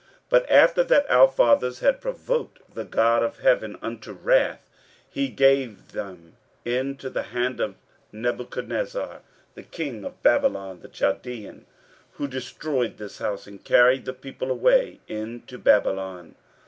15:005:012 But after that our fathers had provoked the God of heaven unto wrath, he gave them into the hand of Nebuchadnezzar the king of Babylon, the Chaldean, who destroyed this house, and carried the people away into Babylon.